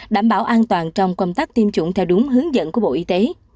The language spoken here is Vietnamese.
đảm bảo an toàn trong công tác tiêm chủng theo đúng hướng dẫn của bộ y tế